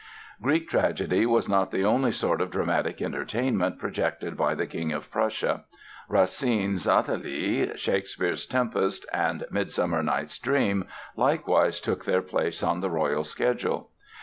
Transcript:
Greek tragedy was not the only sort of dramatic entertainment projected by the King of Prussia. Racine's "Athalie", Shakespeare's "Tempest" and "Midsummer Night's Dream" likewise took their place on the royal schedule.